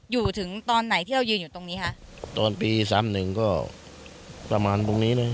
อยู่ถึงตอนไหนที่เรายืนอยู่ตรงนี้คะตอนปีสามหนึ่งก็ประมาณตรงนี้เลย